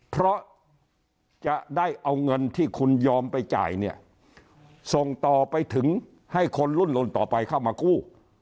เพราะจะได้เอาเงินที่คุณยอมไปจ่ายเนี่ยส่งต่อไปถึงให้คนรุ่นรุ่นต่อไปเข้ามากู้